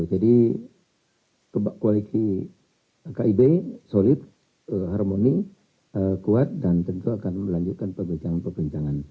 jadi kebagaian kid solid harmoni kuat dan tentu akan melanjutkan perbincangan perbincangan